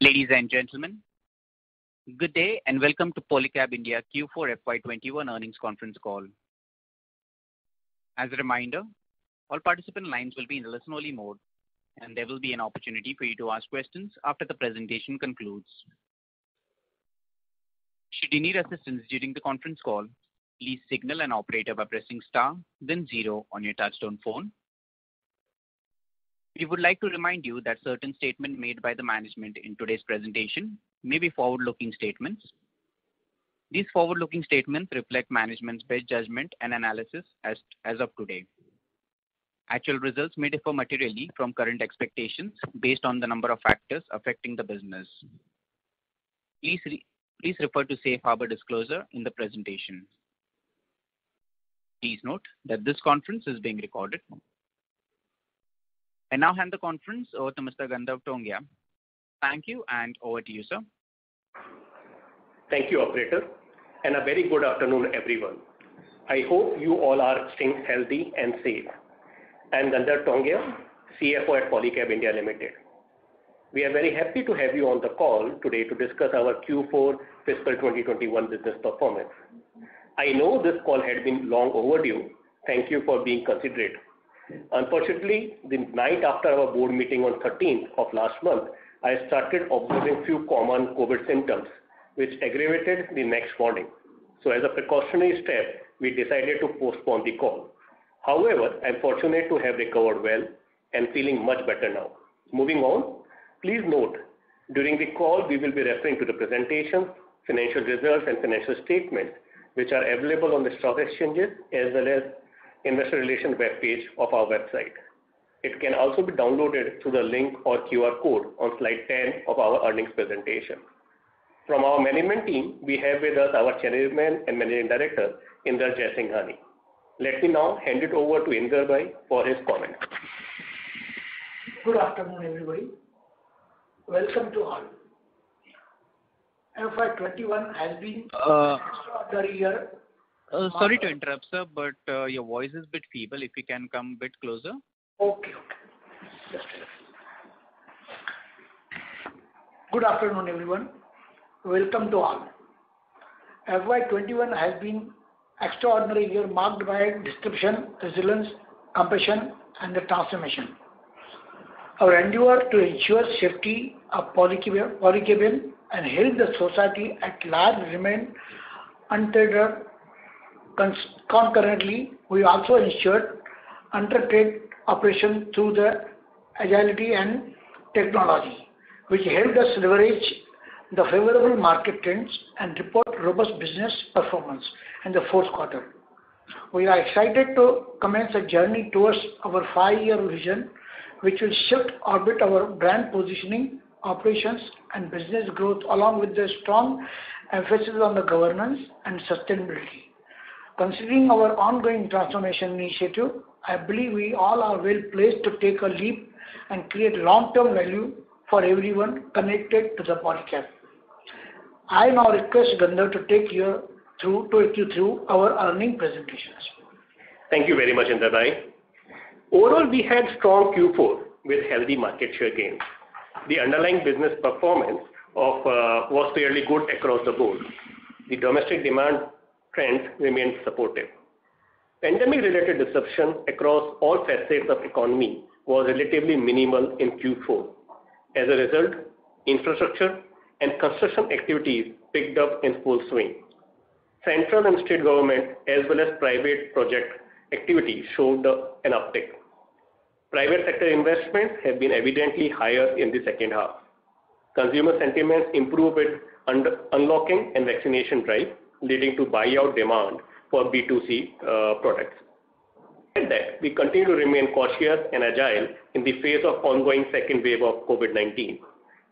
Ladies and gentlemen, good day and welcome to Polycab India Q4 FY 2021 earnings conference call. As a reminder, all participant lines will be in listen-only mode, and there will be an opportunity for you to ask questions after the presentation concludes. Should you need assistance during the conference call, please signal an operator by pressing star, then zero on your touch-tone phone. We would like to remind you that certain statements made by the management in today's presentation may be forward-looking statements. These forward-looking statements reflect management's best judgment and analysis as of today. Actual results may differ materially from current expectations based on the number of factors affecting the business. Please refer to safe harbor disclosure in the presentation. Please note that this conference is being recorded. I now hand the conference over to Mr. Gandharv Tongia. Thank you, and over to you, sir. Thank you, operator. A very good afternoon, everyone. I hope you all are staying healthy and safe. I'm Gandharv Tongia, CFO at Polycab India Limited. We are very happy to have you on the call today to discuss our Q4 fiscal 2021 business performance. I know this call had been long overdue. Thank you for being considerate. Unfortunately, the night after our board meeting on the 13th of last month, I started observing a few common COVID symptoms, which aggravated the next morning. As a precautionary step, we decided to postpone the call. However, I'm fortunate to have recovered well and feeling much better now. Moving on. Please note, during the call, we will be referring to the presentation, financial results, and financial statements, which are available on the stock exchanges as well as investor relations web page of our website. It can also be downloaded through the link or QR code on slide 10 of our earnings presentation. From our management team, we have with us our Chairman and Managing Director, Inder T. Jaisinghani. Let me now hand it over to Inder Bhai for his comments. Good afternoon, everybody. Welcome to all. FY 2021 has been an extraordinary year marked. Sorry to interrupt, sir, but your voice is a bit feeble. If you can come a bit closer. Okay. Just a second. Good afternoon, everyone. Welcome to all. FY 2021 has been extraordinary year marked by disruption, resilience, compassion, and transformation. Our endeavor to ensure safety of Polycab and help the society at large remain uninterrupted. Concurrently, we also ensured undertake operations through the agility and technology, which helped us leverage the favorable market trends and report robust business performance in the fourth quarter. We are excited to commence a journey towards our five-year vision, which will shift orbit our brand positioning, operations, and business growth, along with the strong emphasis on the governance and sustainability. Considering our ongoing transformation initiative, I believe we all are well-placed to take a leap and create long-term value for everyone connected to the Polycab. I now request Gandharv to take you through our earnings presentations. Thank you very much, Inder bhai. Overall, we had a strong Q4 with healthy market share gains. The underlying business performance was fairly good across the board. The domestic demand trends remained supportive. Pandemic-related disruption across all facets of economy was relatively minimal in Q4. As a result, infrastructure and construction activities picked up in full swing. Central and state governments, as well as private project activity, showed up an uptick. Private sector investments have been evidently higher in the second half. Consumer sentiment improved with unlocking and vaccination drive, leading to buy-out demand for B2C products. With that, we continue to remain cautious and agile in the face of ongoing second wave of COVID-19.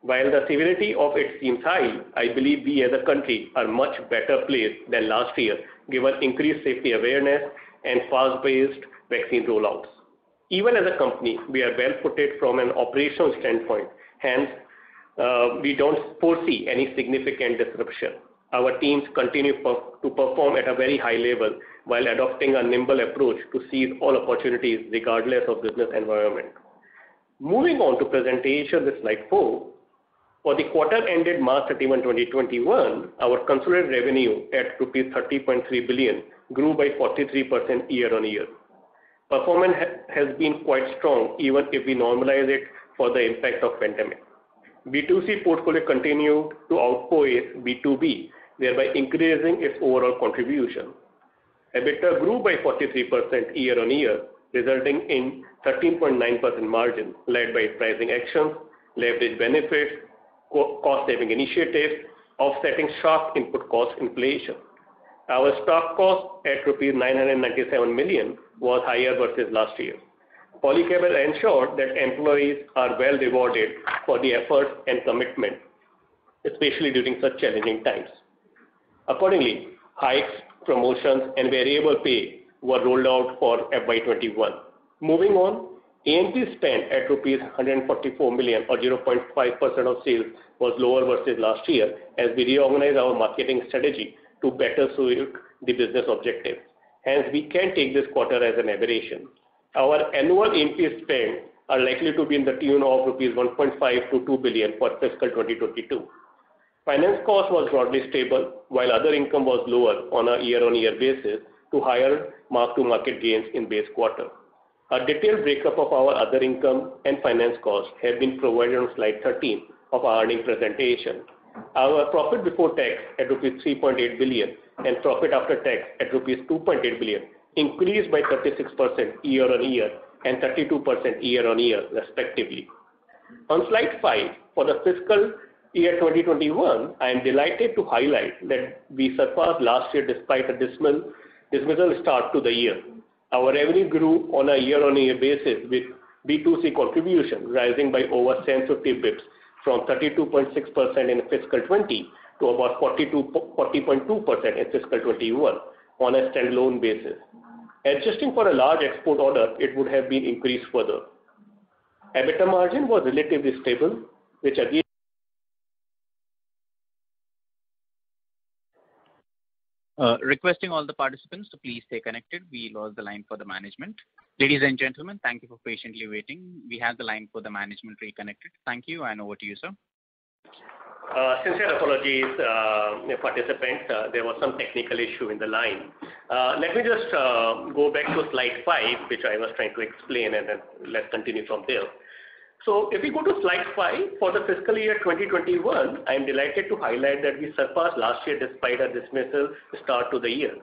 While the severity of it seems high, I believe we, as a country, are much better placed than last year given increased safety awareness and fast-paced vaccine rollouts. Even as a company, we are well-placed from an operational standpoint. Hence, we don't foresee any significant disruption. Our teams continue to perform at a very high level while adopting a nimble approach to seize all opportunities regardless of business environment. Moving on to presentation with slide four. For the quarter ended March 31, 2021, our consolidated revenue at rupees 30.3 billion grew by 43% year-on-year. Performance has been quite strong even if we normalize it for the impact of pandemic. B2C portfolio continued to outpace B2B, thereby increasing its overall contribution. EBITDA grew by 43% year-on-year, resulting in 13.9% margin led by pricing action, leverage benefit, cost-saving initiatives, offsetting sharp input cost inflation. Our staff cost at rupees 997 million was higher versus last year. Polycab ensured that employees are well rewarded for the effort and commitment, especially during such challenging times. Accordingly, hikes, promotions, and variable pay were rolled out for FY 2021. Moving on, A&P spend at rupees 144 million, or 0.5% of sales, was lower versus last year as we reorganized our marketing strategy to better suit the business objective. We can take this quarter as an aberration. Our annual interest spend are likely to be in the tune of rupees 1.5 billion to 2 billion for fiscal 2022. Finance cost was broadly stable while other income was lower on a year-over-year basis to higher mark-to-market gains in base quarter. A detailed breakup of our other income and finance costs have been provided on slide 13 of our earnings presentation. Our profit before tax at rupees 3.8 billion and profit after tax at rupees 2.8 billion increased by 36% year-over-year and 32% year-over-year, respectively. On slide five, for the fiscal year 2021, I'm delighted to highlight that we surpassed last year despite a dismal start to the year. Our revenue grew on a year-on-year basis, with B2C contribution rising by over 750 bps from 32.6% in fiscal 20 to about 40.2% in fiscal 21 on a standalone basis. Adjusting for a large export order, it would have been increased further. EBITDA margin was relatively stable, which again. Requesting all the participants to please stay connected. We lost the line for the management. Ladies and gentlemen, thank you for patiently waiting. We have the line for the management reconnected. Thank you, and over to you, sir. Sincere apologies, participants. There was some technical issue in the line. Let me just go back to slide five, which I was trying to explain, and then let's continue from there. If we go to slide five, for the fiscal year 2021, I'm delighted to highlight that we surpassed last year despite a dismal start to the year.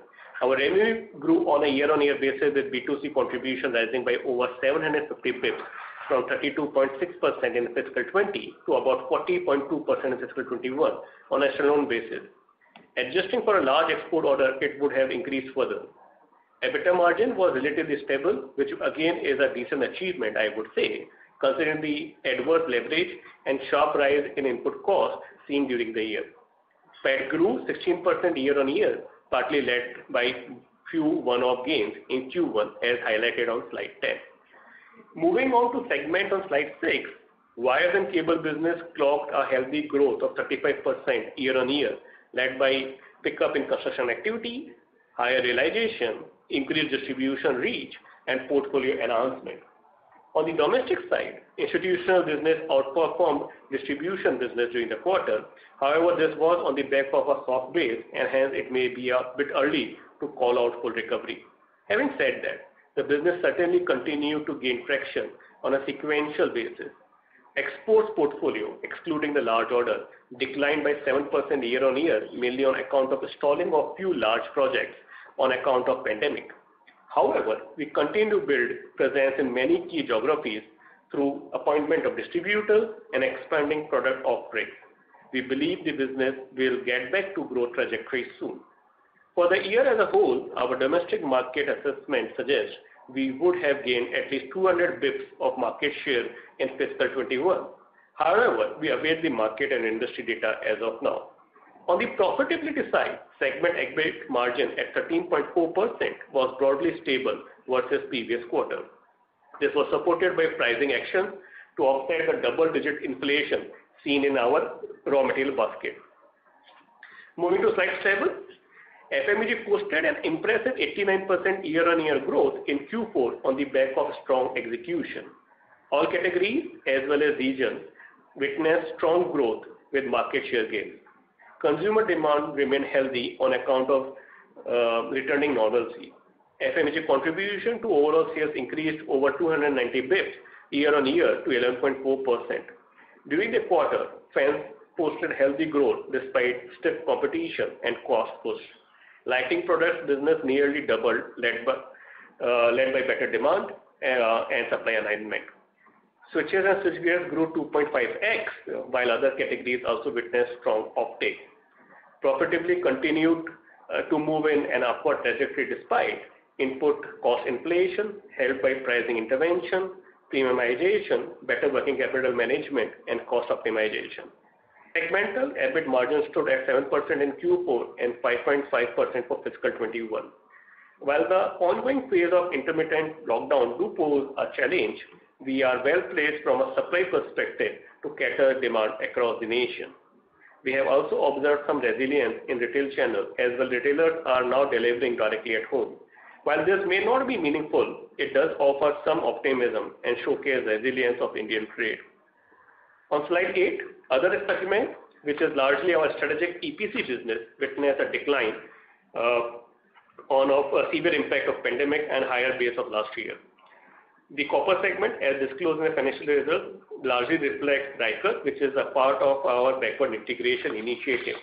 Our revenue grew on a year-on-year basis, with B2C contribution rising by over 750 bps from 32.6% in fiscal 20 to about 40.2% in fiscal 21 on a standalone basis. Adjusting for a large export order, it would have increased further. EBITDA margin was relatively stable, which again, is a decent achievement, I would say, considering the adverse leverage and sharp rise in input costs seen during the year. Sales grew 16% year-on-year, partly led by few one-off gains in Q1 as highlighted on slide 10. Moving on to segment on slide six. Wire and cable business clocked a healthy growth of 35% year-on-year, led by pickup in construction activity, higher realization, increased distribution reach, and portfolio enhancement. On the domestic side, institutional business outperformed distribution business during the quarter. However, this was on the back of a soft base, and hence it may be a bit early to call out for recovery. Having said that, the business certainly continued to gain traction on a sequential basis. Exports portfolio, excluding the large order, declined by 7% year-on-year, mainly on account of the stalling of few large projects on account of pandemic. However, we continue to build presence in many key geographies through appointment of distributors and expanding product offerings. We believe the business will get back to growth trajectory soon. For the year as a whole, our domestic market assessment suggests we would have gained at least 200 bps of market share in fiscal 2021. However, we await the market and industry data as of now. On the profitability side, segment EBIT margin at 13.4% was broadly stable versus the previous quarter. This was supported by pricing actions to offset a double-digit inflation seen in our raw material basket. Moving to slide seven, FMEG posted an impressive 89% year-on-year growth in Q4 on the back of strong execution. All categories as well as regions witnessed strong growth with market share gains. Consumer demand remained healthy on account of returning normalcy. FMEG's contribution to overall sales increased over 290 bps year-on-year to 11.4%. During the quarter, FMEG posted healthy growth despite stiff competition and cost push. Lighting products business nearly doubled, led by better demand and supply alignment. Switches and switchgear grew 2.5x while other categories also witnessed strong uptake. Profitability continued to move in an upward trajectory despite input cost inflation, helped by pricing intervention, premiumization, better working capital management, and cost optimization. Segmental EBIT margin stood at 7% in Q4 and 5.5% for fiscal 2021. While the ongoing phase of intermittent lockdown do pose a challenge, we are well-placed from a supply perspective to cater the demand across the nation. We have also observed some resilience in retail channel as the retailers are now delivering directly at Hohm. While this may not be meaningful, it does offer some optimism and showcase resilience of Indian trade. On slide eight, other segment, which is largely our strategic EPC business, witnessed a decline on a perceived impact of pandemic and higher base of last year. The copper segment, as disclosed in our financial result, largely reflects Ryker Base, which is a part of our backward integration initiative.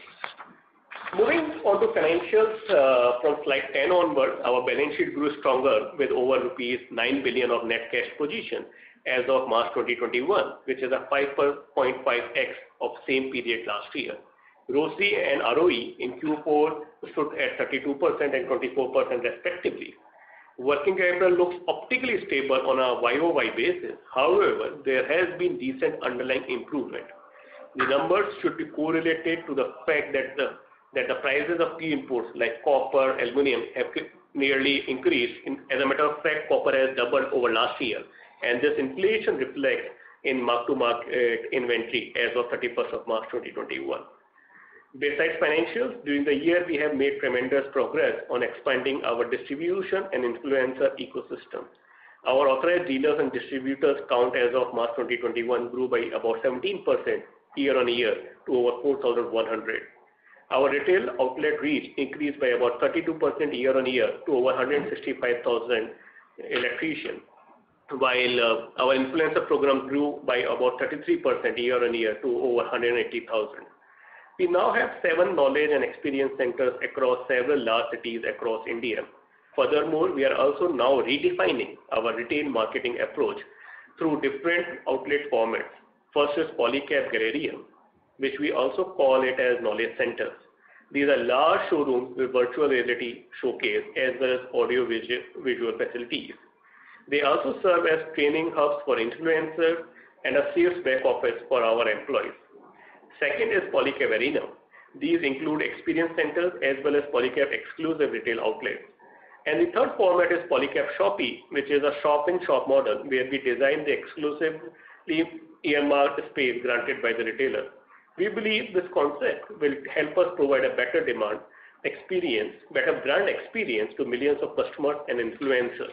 Moving on to financials from slide 10 onward, our balance sheet grew stronger with over rupees 9 billion of net cash position as of March 2021, which is a 5.5x of same period last year. ROCE and ROE in Q4 stood at 32% and 24%, respectively. Working capital looks optically stable on a YOY basis. However, there has been decent underlying improvement. The numbers should be correlated to the fact that the prices of key imports like copper, aluminum have nearly increased. As a matter of fact, copper has doubled over last year, and this inflation reflects in mark-to-market inventory as of 31st March 2021. Besides financials, during the year, we have made tremendous progress on expanding our distribution and influencer ecosystem. Our authorized dealers and distributors count as of March 2021 grew by about 17% year on year to over 4,100. Our retail outlet reach increased by about 32% year on year to over 165,000 electricians, while our influencer program grew by about 33% year on year to over 180,000. We now have seven knowledge and experience centers across several large cities across India. Furthermore, we are also now redefining our retail marketing approach through different outlet formats. First is Polycab Galleria, which we also call it as "knowledge centers." These are large showrooms with virtual reality showcase as well as audio-visual facilities. They also serve as training hubs for influencers and a sales back office for our employees. Second is Polycab Arena. These include experience centers as well as Polycab-exclusive retail outlets. The third format is Polycab Shoppe, which is a shop-in-shop model where we design the exclusive earmarked space granted by the retailer. We believe this concept will help us provide a better brand experience to millions of customers and influencers.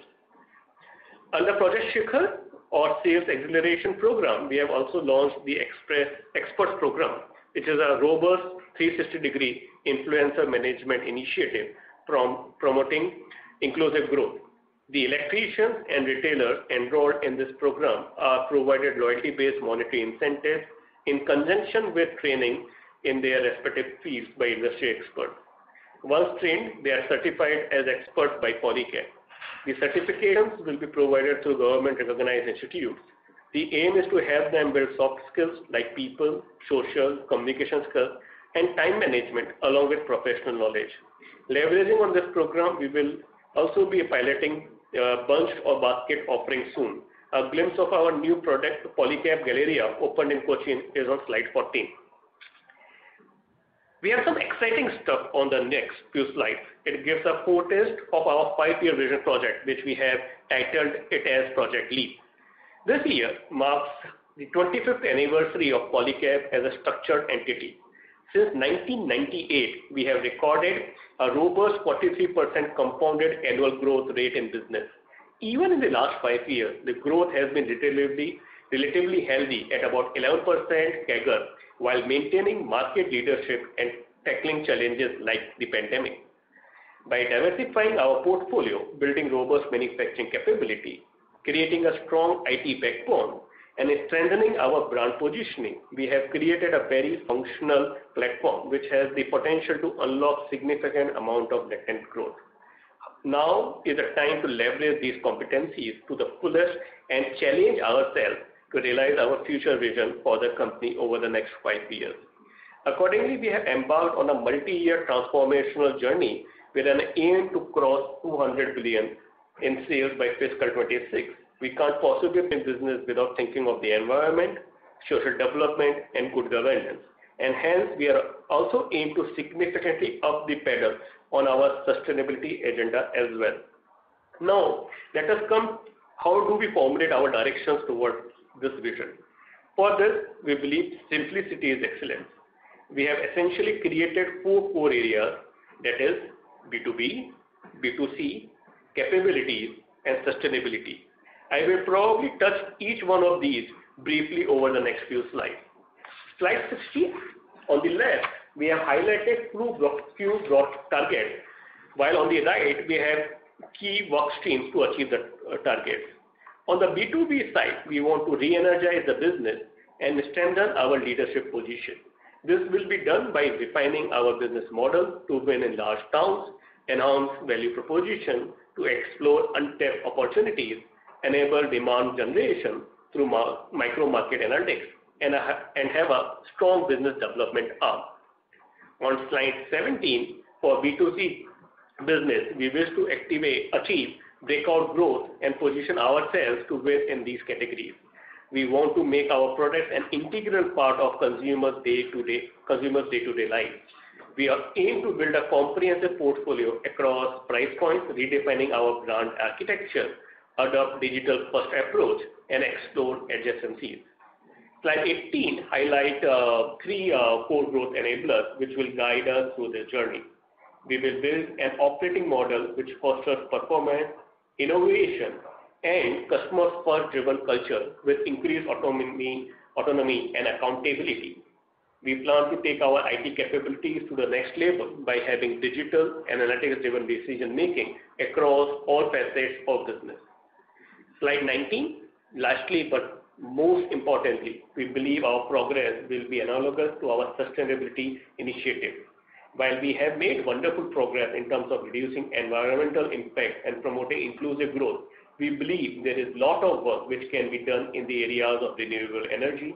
Under Project Shikhar, or Sales Acceleration Program, we have also launched the Expert Program, which is a robust 360-degree influencer management initiative promoting inclusive growth. The electricians and retailers enrolled in this program are provided loyalty-based monetary incentives in conjunction with training in their respective fields by industry experts. Once trained, they are certified as experts by Polycab. The certificate will be provided through government-recognized institutes. The aim is to help them build soft skills like people, social, communication skills, and time management, along with professional knowledge. Leveraging on this program, we will also be piloting a bunch or basket offering soon. A glimpse of our new product, the Polycab Galleria open in Cochin, is on slide 14. We have some exciting stuff on the next few slides. It gives a portrait of our five-year vision project, which we have titled it as Project LEAP. This year marks the 25th anniversary of Polycab as a structured entity. Since 1998, we have recorded a robust 43% compounded annual growth rate in business. Even in the last five years, the growth has been relatively healthy at about 11% CAGR while maintaining market leadership and tackling challenges like the pandemic. By diversifying our portfolio, building robust manufacturing capability, creating a strong IT platform, and strengthening our brand positioning, we have created a very functional platform which has the potential to unlock significant amount of latent growth. Now is the time to leverage these competencies to the fullest and challenge ourselves to realize our future vision for the company over the next five years. Accordingly, we have embarked on a multi-year transformational journey with an aim to cross 200 billion in sales by fiscal 2026. We can't possibly do business without thinking of the environment, social development, and good governance. Hence, we also aim to significantly up the pedals on our sustainability agenda as well. Let us come how do we formulate our direction towards this vision. For this, we believe simplicity is excellence. We have essentially created four core areas, that is, B2B, B2C, capabilities, and sustainability. I will probably touch each one of these briefly over the next few slides. Slide 16. On the left, we have highlighted few block targets, while on the right, we have key work streams to achieve that target. On the B2B side, we want to reenergize the business and strengthen our leadership position. This will be done by refining our business model to win in large accounts, enhance value proposition to explore untapped opportunities, enable demand generation through micro-market analytics, and have a strong business development hub. On slide 17, for B2C business, we wish to achieve breakout growth and position ourselves to win in these categories. We want to make our product an integral part of consumers' day-to-day life. We aim to build a comprehensive portfolio across price points, redefining our brand architecture, adopt a digital-first approach, and explore adjacent fields. Slide 18 highlight three core growth enablers, which will guide us through the journey. We will build an operating model which fosters performance, innovation, and a customer-first-driven culture with increased autonomy and accountability. We plan to take our IT capabilities to the next level by having digital analytics-driven decision making across all facets of business. Slide 19. Lastly, most importantly, we believe our progress will be analogous to our sustainability initiative. While we have made wonderful progress in terms of reducing environmental impact and promoting inclusive growth, we believe there is lot of work which can be done in the areas of renewable energy,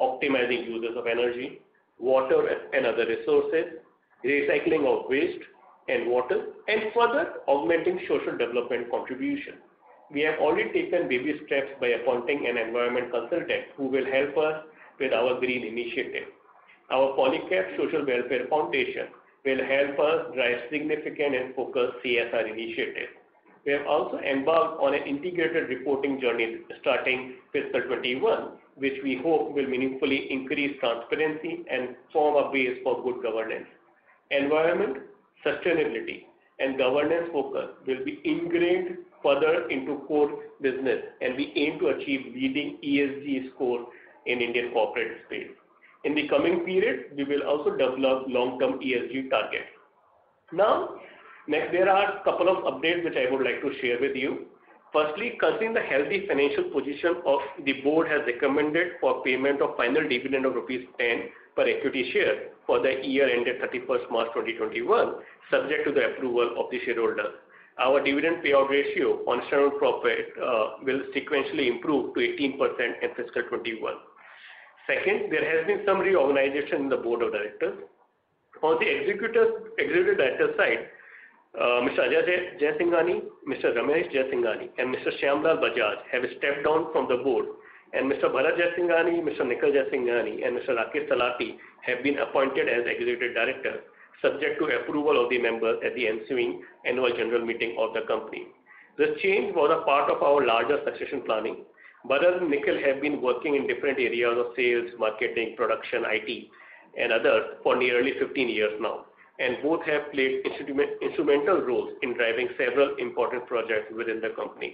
optimizing usage of energy, water, and other resources, recycling of waste and water, and further augmenting social development contribution. We have already taken baby steps by appointing an environment consultant who will help us with our green initiative. Our Polycab Social Welfare Foundation will help us drive significant and focused CSR initiatives. We have also embarked on an integrated reporting journey starting fiscal 2021, which we hope will meaningfully increase transparency and form a base for good governance. Environment, sustainability, and governance focus will be ingrained further into core business. We aim to achieve leading ESG score in Indian corporate space. In the coming period, we will also develop long-term ESG targets. There are a couple of updates that I would like to share with you. Considering the healthy financial position of the board has recommended for payment of final dividend of rupees 10 per equity share for the year ended 31st March 2021, subject to the approval of the shareholders. Our dividend payout ratio on shareholder profit will sequentially improve to 18% in fiscal 2021. There has been some reorganization in the board of directors. On the executive director side, Mr. Ajay Jaisinghani, Mr. Ramesh Jaisinghani, and Mr. Bharat Jaisinghani have stepped down from the board, and Mr. Varad Jaisinghani, Mr. Nikhil Jaisinghani, and Mr. Rakesh Talati have been appointed as executive directors, subject to approval of the members at the ensuing annual general meeting of the company. The change was a part of our larger succession planning. Varad and Nikhil have been working in different areas of sales, marketing, production, IT, and others for nearly 15 years now, and both have played instrumental roles in driving several important projects within the company.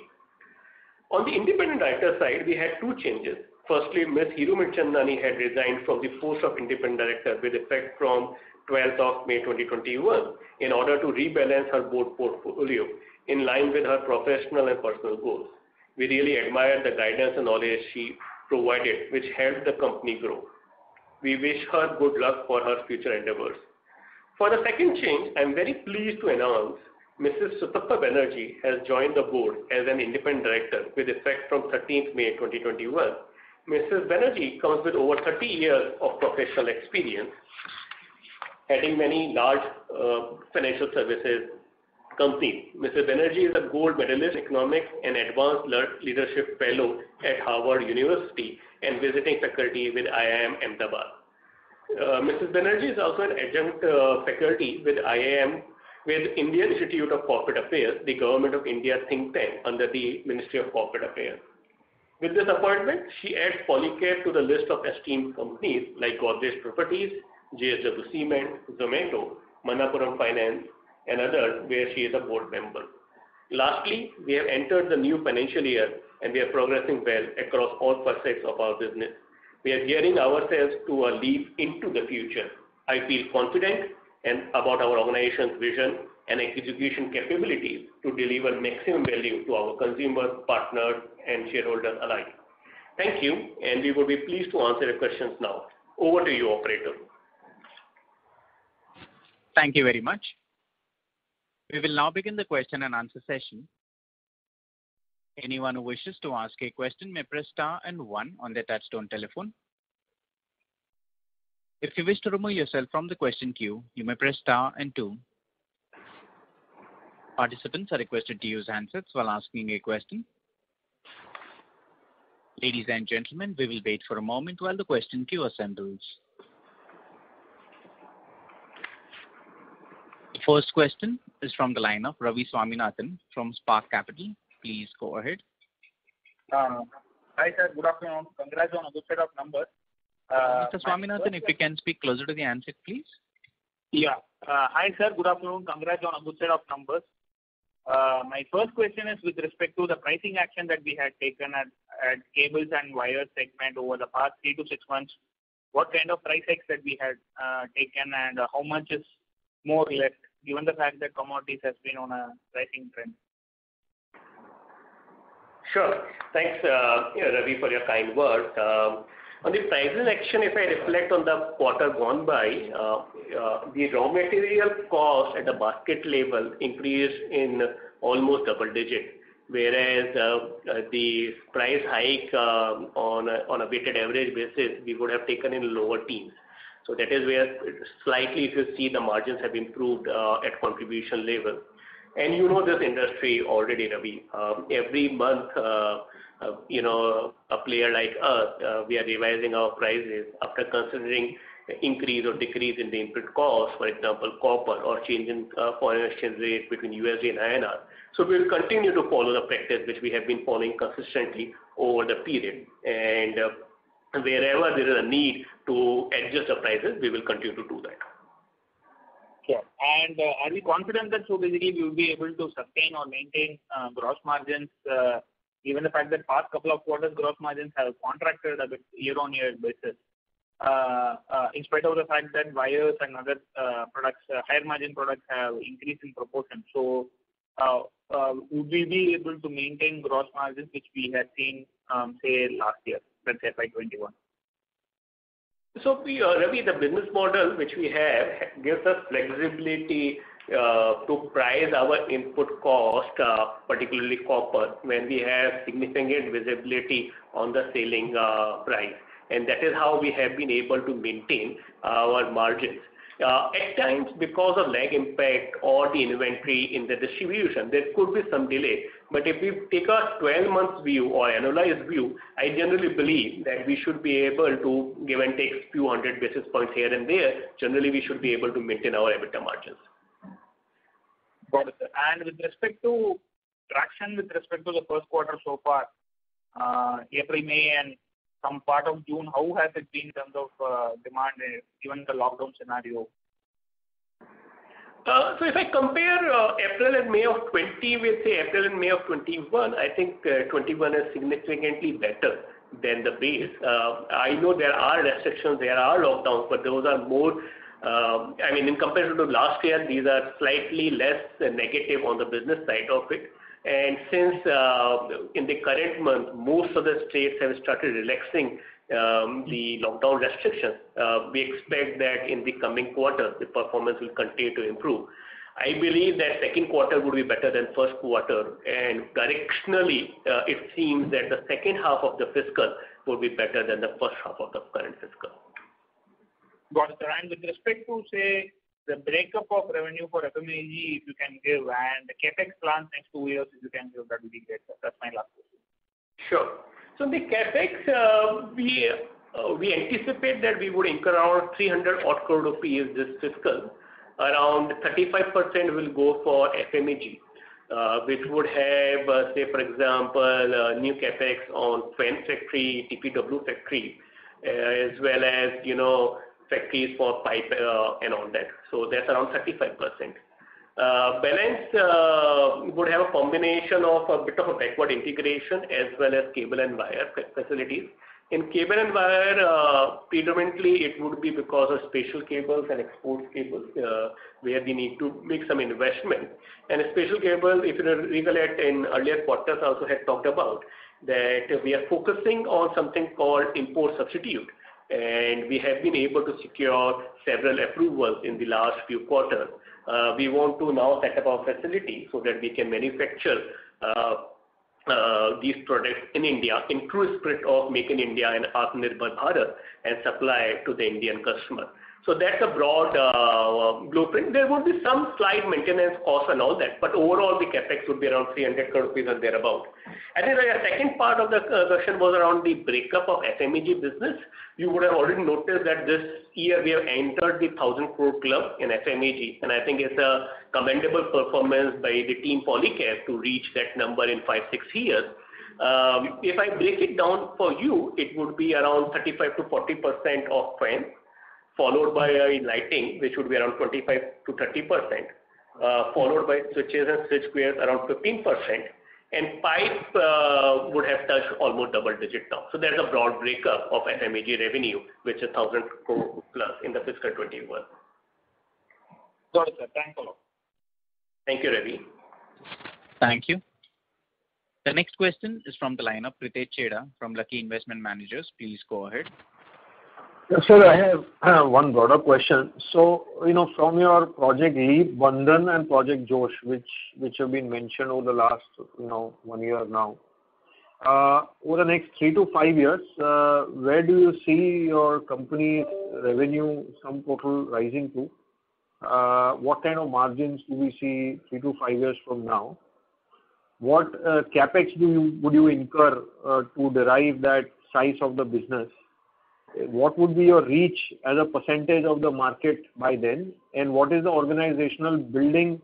On the independent director side, we had two changes. Firstly, Ms. Hiroo Mirchandani had resigned from the post of independent director with effect from 12th of May 2021 in order to rebalance her board portfolio in line with her professional and personal goals. We really admire the guidance and all that she provided, which helped the company grow. We wish her good luck for her future endeavors. For the second change, I'm very pleased to announce Mrs. Sutapa Banerjee has joined the board as an independent director with effect from 13th May 2021. Mrs. Banerjee comes with over 30 years of professional experience heading many large financial services company. Mrs. Banerjee is a gold medalist in economics and advanced leadership fellow at Harvard University and visiting faculty with IIM Ahmedabad. Mrs. Banerjee is also an adjunct faculty with Indian Institute of Public Administration, the Government of India think tank under the Ministry of Personnel, Public Grievances, and Pensions. With this appointment, she adds Polycab to the list of esteemed companies like Godrej Properties, JSW Cement, Zomato, Manappuram Finance, and others, where she is a board member. Lastly, we have entered the new financial year, and we are progressing well across all facets of our business. We are gearing ourselves to a leap into the future. I feel confident about our organization's vision and execution capabilities to deliver maximum value to our consumers, partners, and shareholders alike. Thank you, and we will be pleased to answer your questions now. Over to you, operator. Thank you very much. We will now begin the question-and-answer session. Anyone who wishes to ask a question may press star and one on a touch-tone telephone. If you wish to remove yourself from the question queue, you may press star and two. Participants are requested to use a handset when asking a question. Ladies and gentlemen, we will wait for a moment while the question queue assembles. The first question is from the line of Ravi Swaminathan from Spark Capital. Please go ahead. Hi, sir. Good afternoon. Congrats on a good set of numbers. Mr. Swaminathan, if you can speak closer to the handset, please. Hi, sir. Good afternoon. Congrats on a good set of numbers. My first question is with respect to the pricing action that we had taken at cables and wire segment over the past three to six months. What kind of price hike that we had taken, and how much is more left given the fact that commodities have been on a rising trend? Sure. Thanks, Ravi, for your kind word. On the pricing action, if I reflect on the quarter gone by, the raw material cost at the basket level increased in almost double digits, whereas the price hike on a weighted average basis, we would have taken in lower teens. That is where slightly you see the margins have improved at contribution level. You know this industry already, Ravi. Every month, a player like us, we are revising our prices after considering increase or decrease in input cost, for example, copper, or change in foreign exchange rate between USD and INR. We'll continue to follow the practice which we have been following consistently over the period, and wherever there is a need to adjust the prices, we will continue to do that. Are you confident that through the year you'll be able to sustain or maintain gross margins, given the fact that past couple of quarters gross margins have contracted a bit year-over-year basis, in spite of the fact that wires and other higher-margin products have increased in proportion? Would we be able to maintain gross margins which we had seen, say, last year, say, FY 2021? For you, Ravi, the business model which we have gives us flexibility to price our input cost, particularly copper, when we have significant visibility on the selling price. That is how we have been able to maintain our margins. At times, because of lag impact or the inventory in the distribution, there could be some delay. If you take a 12-month view or annualized view, I generally believe that we should be able to give and take a few hundred basis points here and there. Generally, we should be able to maintain our EBITDA margins. Got it, sir. With respect to traction, with respect to the first quarter so far, April, May, and some part of June, how has it been in terms of demand given the lockdown scenario? If I compare April and May of 2020 with, say, April and May of 2021, I think 2021 is significantly better than the base. I know there are restrictions; there are lockdowns. In comparison to last year, these are slightly less negative on the business side of it. Since, in the current month, most of the states have started relaxing the lockdown restrictions, we expect that in the coming quarter the performance will continue to improve. I believe that second quarter will be better than first quarter, and directionally, it seems that the second half of the fiscal will be better than the first half of the current fiscal. Got it, sir. With respect to, say, the breakup of revenue for FMEG, you can give that, and the CapEx plan next two years, you can give that in detail. That's my last question. Sure. The CapEx, we anticipate that we would incur around 300 crore rupees this fiscal. Around 35% will go for FMEG, which would have, say, for example, new CapEx on fan factory, TPW factory, as well as factories for pipe and all that. That's around 35%. Balance would have a combination of a bit of backward integration as well as cable and wire facilities. In cable and wire, predominantly it would be because of special cables and export cables, where we need to make some investment. Special cable, even in earlier quarters, I also had talked about that we are focusing on something called import substitute, and we have been able to secure several approvals in the last few quarters. We want to now set up our facility so that we can manufacture these products in India in true spirit of Make in India and Atmanirbhar Bharat and supply it to the Indian customer. That's a broad blueprint. There will be some slight maintenance cost and all that, but overall the CapEx will be around 300 crore rupees and thereabout. The second part of the question was around the breakup of FMEG business. You would have already noticed that this year we have entered the 1,000 crore club in FMEG, and I think it's a commendable performance by the team Polycab to reach that number in five, six years. If I break it down for you, it would be around 35%-40% of fans, followed by lighting, which would be around 25%-30%, followed by switches and switchgear, around 15%, and pipe would have touched almost double digits now. That's a broad breakup of FMEG revenue, which is 1,000 crore plus in FY 2021. Got it, sir. Thank you. Thank you, Ravi. Thank you. The next question is from the line of Pritesh Chheda from the Lucky Investment Managers. Please go ahead. Yes, sir. I have one broader question. From your Project LEAP, Bandhan, and Project Josh, which have been mentioned over the last one year now. Over the next three to five years, where do you see your company revenue sum total rising to? What kind of margins do we see three to five years from now? What CapEx would you incur to derive that size of the business? What would be your reach as a percentage of the market by then? What is the organizational building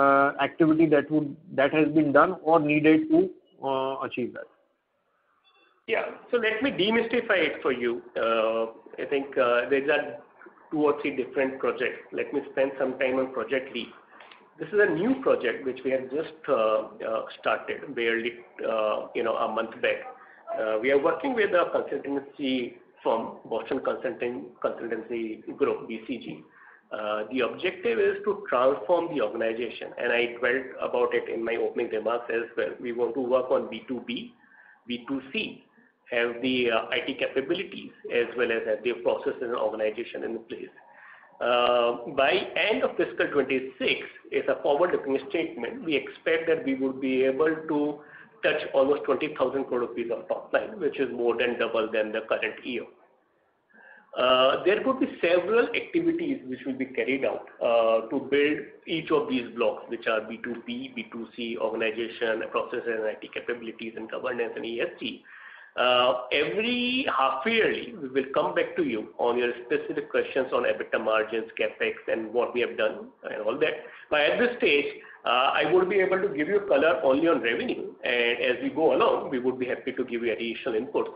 activity that has been done or needed to achieve that? Let me demystify it for you. I think these are two or three different projects. Let me spend some time on Project LEAP. This is a new project which we have just started, barely a month back. We are working with a consultancy firm, Boston Consulting Group (BCG). The objective is to transform the organization, and I dwelt about it in my opening remarks as well. We want to work on B2B, B2C, have the IT capabilities as well as the process and organization in place. By end of fiscal 2026, it's a forward-looking statement; we expect that we would be able to touch almost 20,000 crore rupees of top line, which is more than double than the current year. There could be several activities which will be carried out to build each of these blocks, which are B2B, B2C, organization, process and IT capabilities, and governance and ESG. Every half yearly, we will come back to you on your specific questions on EBITDA margins, CapEx, and what we have done and all that. At this stage, I would be able to give you color only on revenue. As we go along, we would be happy to give you additional input.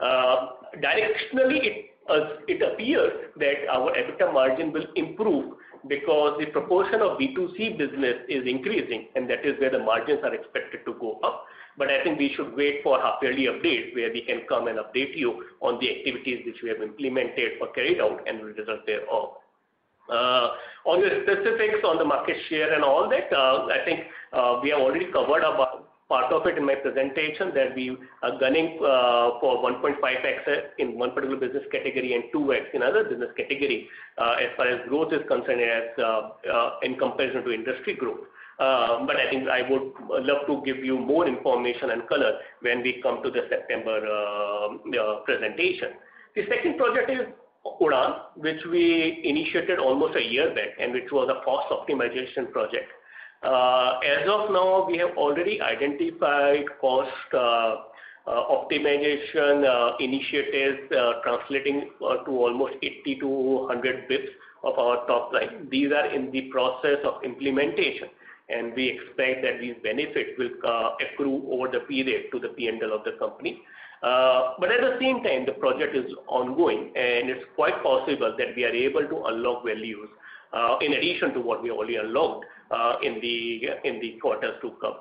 Directionally, it appears that our EBITDA margin will improve because the proportion of B2C business is increasing, and that is where the margins are expected to go up. I think we should wait for half yearly update, where we can come and update you on the activities which we have implemented or carried out and the results thereof. On your specifics on the market share and all that, I think we have already covered a part of it in my presentation that we are gunning for 1.5x in one particular business category and 2x in other business category, as far as growth is concerned, as in comparison to industry growth. I think I would love to give you more information and color when we come to the September presentation. The second project is Project Udaan, which we initiated almost a year back, and it was a cost optimization project. As of now, we have already identified cost optimization initiatives translating to almost 80 to 100 basis points of our top line. These are in the process of implementation, and we expect that these benefits will accrue over the period to the P&L of the company. The project is ongoing, and it is quite possible that we are able to unlock values in addition to what we already unlocked in the quarters to come.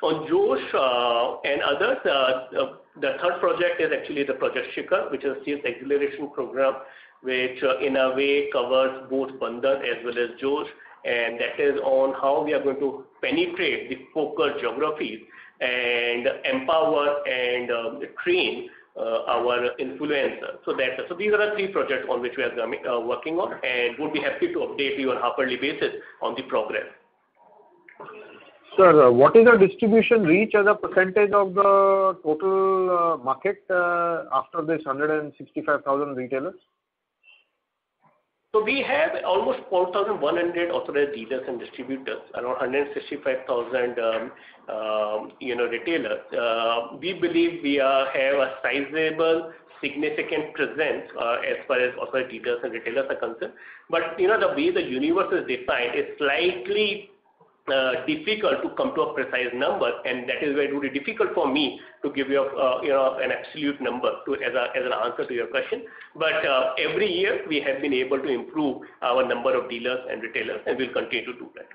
For Josh and others, the third project is actually the Project Shikhar, which is the acceleration program, which in a way covers both Bandhan as well as Josh, and that is on how we are going to penetrate the focal geographies and empower and train our influencers. These are three projects on which we are working on and would be happy to update you on a half-yearly basis on the progress. Sir, what is the distribution reach as a percentage of the total market after these 165,000 retailers? We have almost 4,100 authorized dealers and distributors, around 165,000 retailers. We believe we have a sizable significant presence as far as authorized dealers and retailers are concerned. The base of the universe is decided; it's slightly difficult to come to a precise number, and that is why it would be difficult for me to give you an absolute number as an answer to your question. Every year, we have been able to improve our number of dealers and retailers, and we'll continue to do that.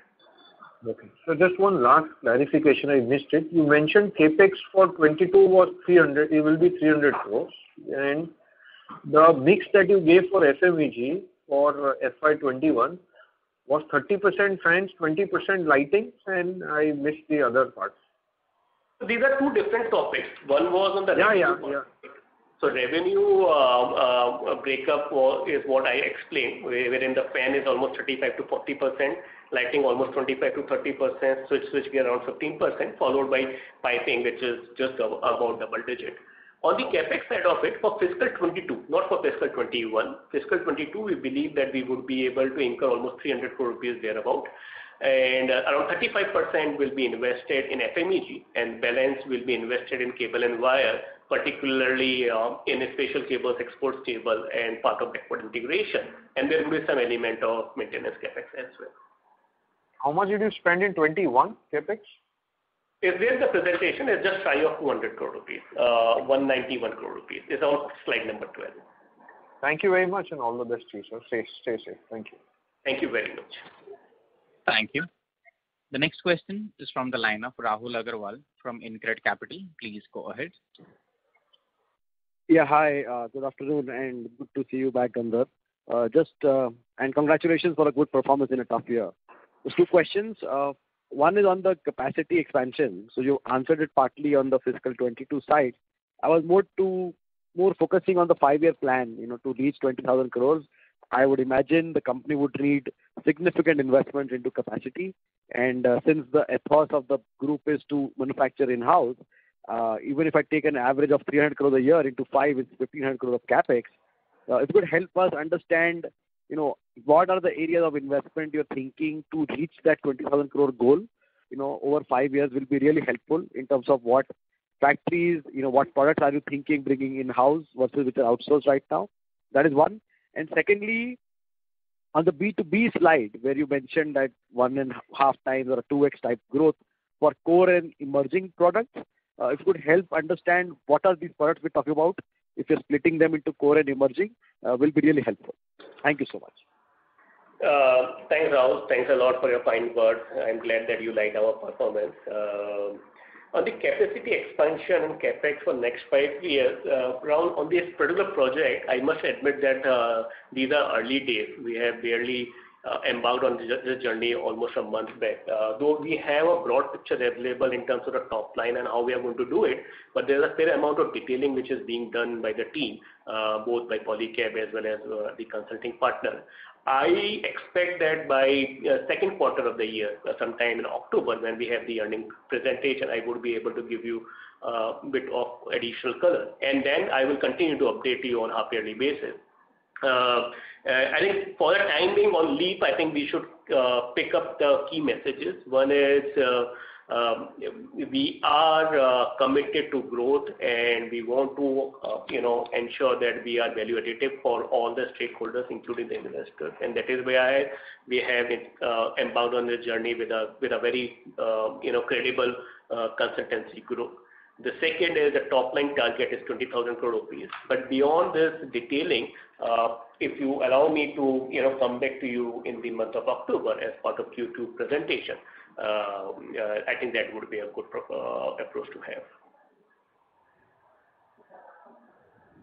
Okay. Just one last clarification: I missed it. You mentioned CapEx for 2022 was 300; it will be 300 crores. The mix that you gave for FMEG for FY 2021 was 30% fans, 20% lighting, and I missed the other parts. These are two different topics. Yeah. Revenue breakup is what I explained, wherein the fan is almost 35%-40%, lighting almost 25%-30%, switchgear around 15%, followed by piping, which is just about double digits. On the CapEx side of it for fiscal 2022, not for fiscal 2021. Fiscal 2022, we believe that we would be able to incur almost 300 crores rupees thereabout, and around 35% will be invested in FMEG, and balance will be invested in cable and wire, particularly in special cables, exports cable, and part of backward integration. There will be some element of maintenance CapEx as well. How much did you spend in 2021, CapEx? It's there in the presentation. It's just shy of 200 crores rupees, 191 crores rupees. It's on slide number 12. Thank you very much. All the best to you, sir. Stay safe. Thank you. Thank you very much. Thank you. The next question is from the line of Rahul Aggarwal from InCred Capital. Please go ahead. Hi, good afternoon, and good to see you back, Gandharv. Congratulations for a good performance in the past year. Just two questions. One is on the capacity expansion. You answered it partly on the fiscal 2022 side. I was more focusing on the five-year plan to reach 20,000 crore. I would imagine the company would need significant investment into capacity. Since the ethos of the group is to manufacture in-house, even if I take an average of 300 crore a year into five, it's 1,500 crore of CapEx. If you help us understand what are the areas of investment you're thinking to reach that 20,000 crore goal over five years will be really helpful in terms of what factories, what products are you thinking bringing in-house versus the outsource right now. That is one. Secondly, on the B2B slide, where you mentioned that one and a half times or 2X type growth for core and emerging products. If you help understand what are the products we're talking about, if you're splitting them into core and emerging, will be really helpful. Thank you so much. Hi, Rahul. Thanks a lot for your kind words. I'm glad that you like our performance. On the capacity expansion CapEx for next five years, Rahul, on this particular project, I must admit that these are early days. We have barely embarked on this journey almost a month back. Though we have a broad picture available in terms of the top line and how we are going to do it, but there's a fair amount of detailing which is being done by the team, both by Polycab as well as the consulting partner. I expect that by the second quarter of the year, sometime in October, when we have the earnings presentation, I would be able to give you a bit of additional color. I will continue to update you on a half-yearly basis. If for the time being on LEAP, I think we should pick up the key messages. One is we are committed to growth, and we want to ensure that we are value additive for all the stakeholders, including the investors. That is why we have embarked on this journey with a very credible consultancy group. The second is the top-line target is 20,000 crores rupees. Beyond this detailing, if you allow me to come back to you in the month of October as part of Q2 presentation, I think that would be a good approach to have.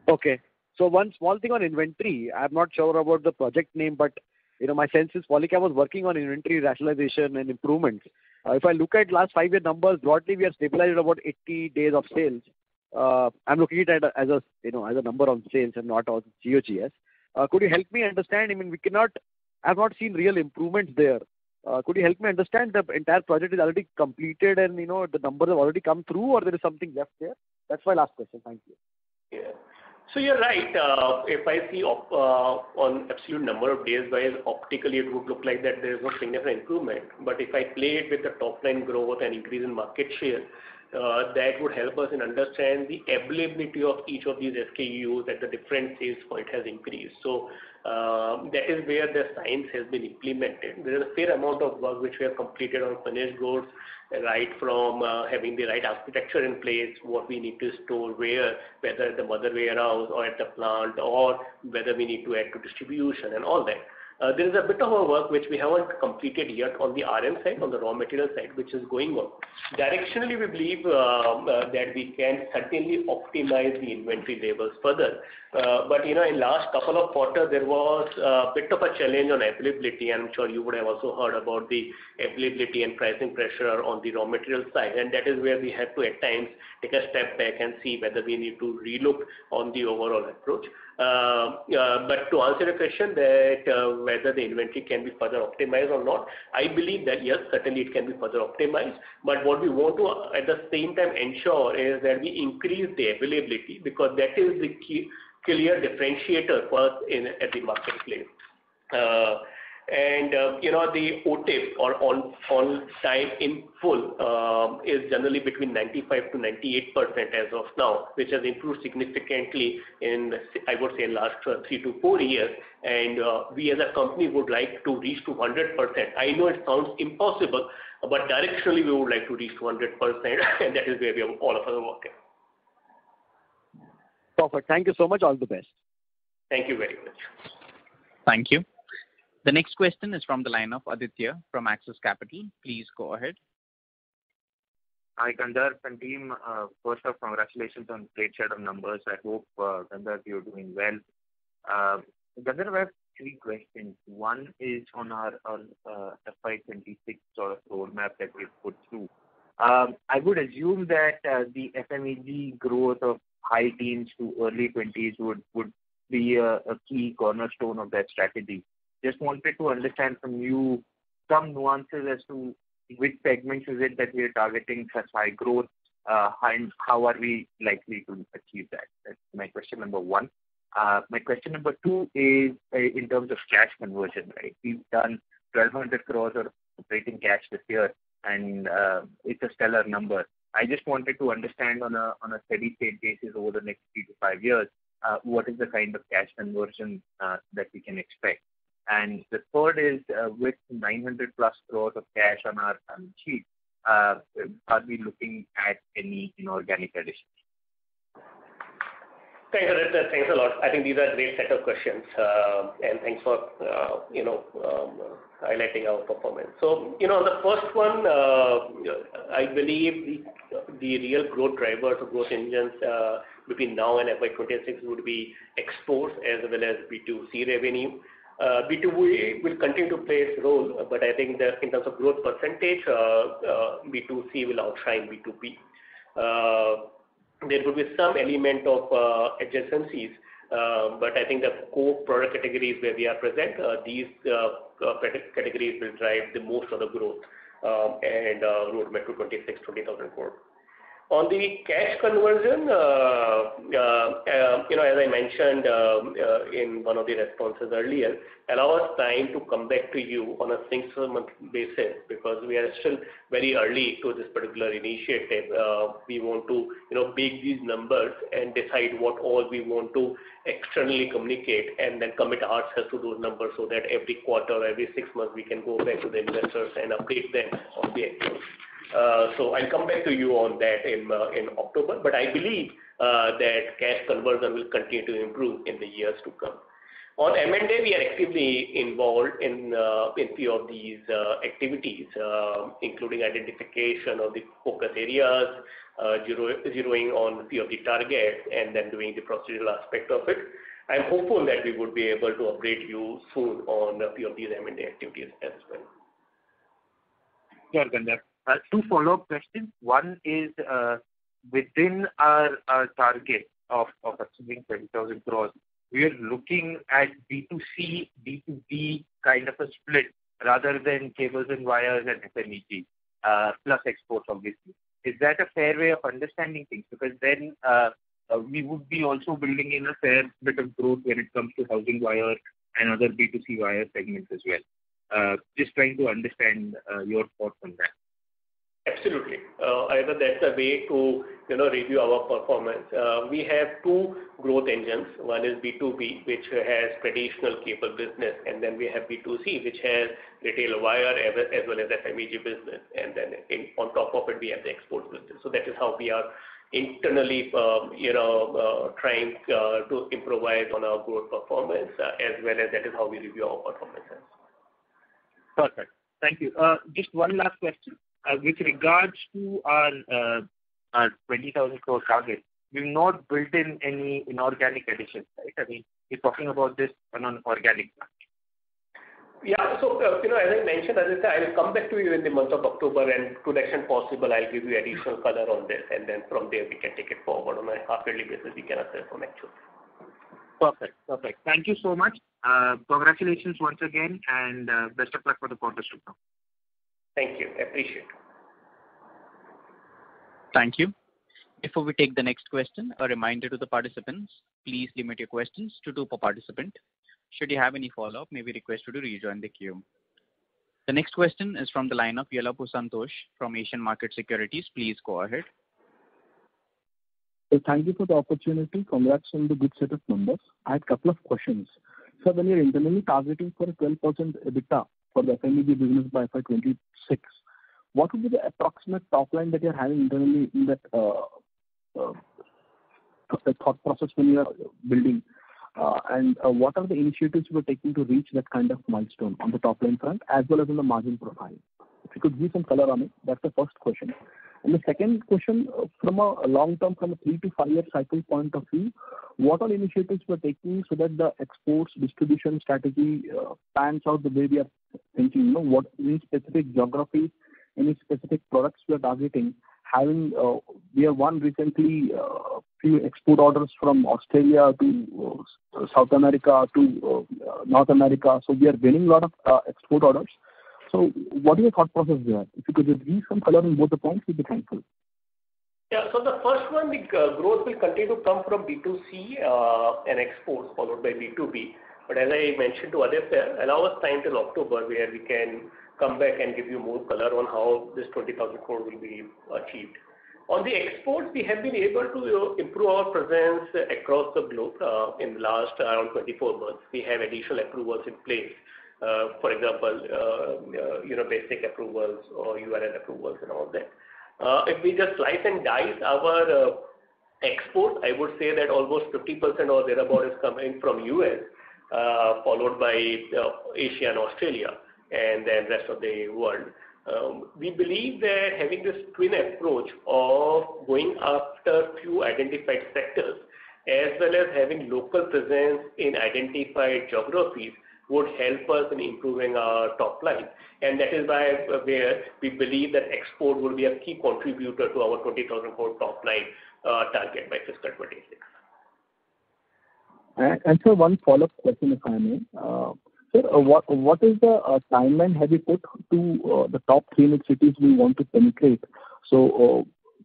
Okay. One small thing on inventory. I'm not sure about the project name; my sense is Polycab was working on inventory rationalization and improvements. If I look at last five-year numbers, broadly, we have stabilized about 80 days of sales. I'm looking at it as a number on sales and not on COGS. Could you help me understand? I mean, I've not seen real improvement there. Could you help me understand if that project is already completed and the numbers have already come through or there's something left there? That's my last question. Thank you. Yeah. You're right. If I see on absolute number of days-wise, optically it would look like that there is a change of improvement. If I play it with the top-line growth and increase in market share, that would help us in understand the availability of each of these SKUs at a different phase where it has increased. That is where the science has been implemented. There's a fair amount of work which we have completed on finished goods, right from having the right architecture in place, what we need to store where, whether at the mother warehouse or at the plant, or whether we need to add to distribution and all that. There's a bit of a work which we haven't completed yet on the RM side, on the raw material side, which is going on. Directionally, we believe that we can certainly optimize the inventory levels further. In the last couple of quarters, there was a bit of a challenge on availability. I'm sure you would have also heard about the availability and pricing pressure on the raw material side, and that is where we had to, at times, take a step back and see whether we need to relook on the overall approach. To answer your question that whether the inventory can be further optimized or not, I believe that, yes, certainly it can be further optimized. What we want to, at the same time, ensure is that we increase the availability, because that is the key clear differentiator for us at the marketplace. The OTIF, or On Time In Full, is generally between 95% to 98% as of now, which has improved significantly in, I would say, last three to four years. We as a company would like to reach to 100%. I know it sounds impossible, but directionally we would like to reach 100%, and that is where we have all of our work in. Perfect. Thank you so much. All the best. Thank you very much. Thank you. The next question is from the line of Aditya from Axis Capital. Please go ahead. Hi, Gandharv and team. First off, congratulations on great set of numbers. I hope, Gandharv, you're doing well. Gandharv, I have three questions. One is on our FY 2026 roadmap that we've put through. I would assume that the FMEG growth of high teens to early twenties would be a key cornerstone of that strategy. Just wanted to understand from you some nuances as to which segments is it that we are targeting for high growth, how are we likely to achieve that. That's my question number one. My question number two is in terms of cash conversion, right? We've done 1,200 crore of operating cash this year, and it's a stellar number. I just wanted to understand on a steady state basis over the next three to five years, what is the kind of cash conversion that we can expect? The third is, with 900 plus crores of cash on our sheet, are we looking at any inorganic additions? Thanks, Aditya. Thanks a lot. I think these are very set of questions, and thanks for highlighting our performance. The first one, I believe, the real growth drivers, or growth engines, between now and FY 2026 would be exports as well as B2C revenue. B2B will continue to play its role, but I think just think as a growth percentage, B2C will outshine B2B. There will be some element of adjacencies, but I think the core product categories where we are present, these categories will drive the most of the growth and the roadmap to 2026, 20,000 crore. On the cash conversion, as I mentioned in one of the responses earlier, and I was trying to come back to you on a six-month basis because we are still very early to this particular initiative. We want to bake these numbers and decide what all we want to externally communicate and then commit ourselves to those numbers so that every quarter or every six months we can go back to the investors and update them on the actuals. I'll come back to you on that in October. I believe that cash conversion will continue to improve in the years to come. On M&A, we are actively involved in a few of these activities, including identification of the focused areas, zeroing on a few of the targets, and then doing the procedural aspect of it. I'm hopeful that we would be able to update you soon on a few of the M&A activities as well. Yeah, Gandharv. Two follow-up questions. One is, within our target of assuming 20,000 crore, we are looking at B2C, B2B kind of a split rather than cables and wires and FMEG, plus exports obviously. Is that a fair way of understanding things? Because then we would be also building in a fair bit of growth when it comes to housing wires and other B2C wire segments as well. Just trying to understand your thoughts on that. Absolutely. I think that's a way to review our performance. We have two growth engines. One is B2B, which has traditional cable business, and then we have B2C, which has retail wire as well as FMEG business, and then on top of it, we have the export business. That is how we are internally trying to improvise on our growth performance, as well as that is how we review our performance as well. Perfect. Thank you. Just one last question. With regards to our 20,000 crore target, we've not built in any inorganic addition, right? I mean, we're talking about this on an organic plan. As I mentioned, Aditya, I'll come back to you in the month of October, and to the extent possible, I'll give you additional color on this, and then from there, we can take it forward on a quarterly basis; we can update on actuals. Perfect. Thank you so much. Congratulations once again, and best of luck for the quarters to come. Thank you. Appreciate it. Thank you. Before we take the next question, a reminder to the participants: please limit your questions to two per participant. Should you have any follow-up, you may be requested to rejoin the queue. The next question is from the line of Yellapu Santosh from Asian Markets Securities. Please go ahead. Thank you for the opportunity. Congrats on the good set of numbers. I have a couple of questions. When you're internally targeting for 12% EBITDA for the FMEG business by 2026, what would be the approximate top line that you're having internally in that thought process when you're building? What are the initiatives you are taking to reach that kind of milestone on the top line front as well as on the margin front? If you could give some color on it, that's the first question. The second question, from a long-term three-to-five-year cycle point of view, what are the initiatives you are taking so that the export distribution strategy pans out the way we are thinking? What specific geographies, any specific products you are targeting? Having won recently a few export orders from Australia to South America to North America. We are winning a lot of export orders. What is your thought process there? If you could give me some color on both the points, it'd be helpful. The first one, the growth, will continue to come from B2C and exports, followed by B2B. As I mentioned to Aditya, allow us time till October, where we can come back and give you more color on how this 20,000 crore will be achieved. On the exports, we have been able to improve our presence across the globe in the last around 24 months. We have additional approvals in place. For example, basic approvals or UL approvals and all that. If we just slice and dice our exports, I would say that almost 50% or thereabouts is coming from the U.S., followed by Asia and Australia, and then rest of the world. We believe that having this twin approach of going after a few identified sectors, as well as having local presence in identified geographies, would help us in improving our top line. That is why we believe that exports will be a key contributor to our 20,000 crore top line target by fiscal 2026. Sir, one follow-up question, if I may. What is the timeline have you put to the top three new cities you want to penetrate?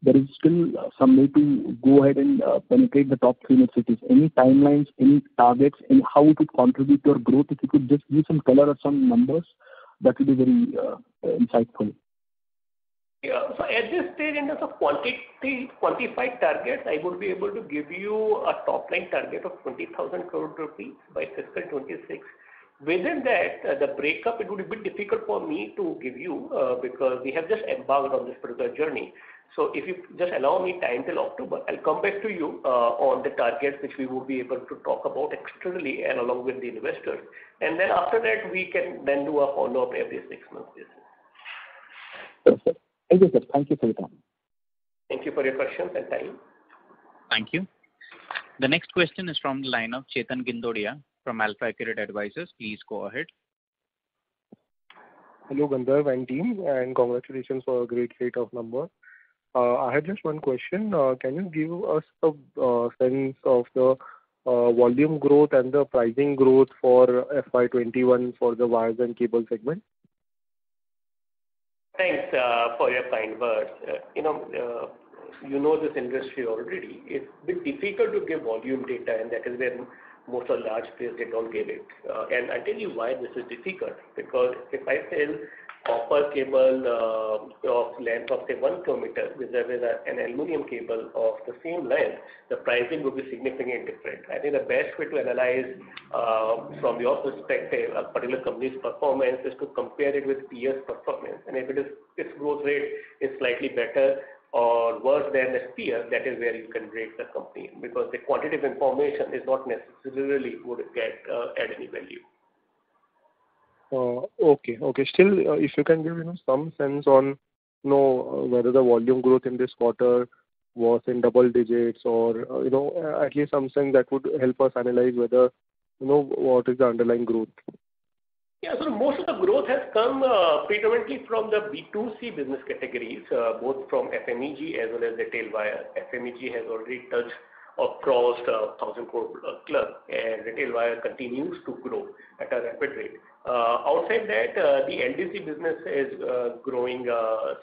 There is still some way to go ahead and penetrate the top three new cities. Any timelines, any targets, and how would it contribute to your growth? If you could just give some color or some numbers, that will be very insightful. As I stated, as a quantified target, I would be able to give you a top-line target of 20,000 crore rupees by FY 2026. Within that, the breakup, it would be difficult for me to give you because we have just embarked on this particular journey. If you just allow me time till October, I'll come back to you on the target, which we will be able to talk about externally and along with the investors. After that, we can then do a follow-up every six months, therefore. Okay. Understood. Thank you for your time. Thank you for your questions and time. Thank you. The next question is from the line of Chetan Gindodia from AlfAccurate Advisors. Please go ahead. Hello, Gandharv and team, and congratulations on a great set of numbers. I have just one question. Can you give us a sense of the volume growth and the pricing growth for FY 2021 for the wires and cable segment? Thanks for your kind words. You know this industry already. It's a bit difficult to give volume data, and that is why most of the large players don't give it. I tell you why this is difficult, because if I sell copper cable of a length of, say, one kilometer vis-a-vis an aluminum cable of the same length, the pricing will be significantly different. I think the best way to analyze, from your perspective, a particular company's performance is to compare it with peers' performance. If its growth rate is slightly better or worse than its peers, that is where you can rate the company, because the quantitative information is not necessarily going to add any value. Okay. Still, if you can give me some sense on whether the volume growth in this quarter was in double digits or at least something that would help us analyze what is the underlying growth? Most of the growth has come predominantly from the B2C business categories, both from FMEG as well as retail wire. FMEG has already touched or crossed 1,000 crore club, and retail wire continues to grow at a rapid rate. Outside that, the LT cable business is growing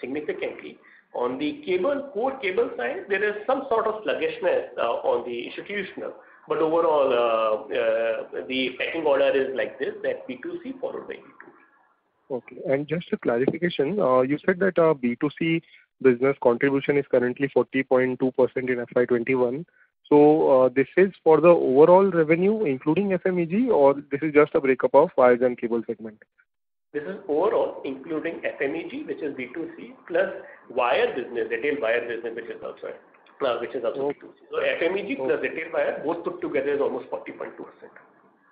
significantly. On the core cable side, there is some sort of sluggishness on the institutional, but overall, the trend order is like this, that B2C followed by B2B. Okay. Just a clarification: you said that B2C business contribution is currently 40.2% in FY 2021. This is for the overall revenue, including FMEG, or this is just a breakup of the wire and cable segment? This is overall, including FMEG, which is B2C, plus wire business, retail wire business, which is also B2C. FMEG plus retail wire, both put together, is almost 40.2%.